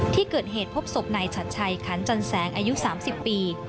ที่เกิดเหตุพบศพนายชัดชัยขันจันแสงอายุ๓๐ปี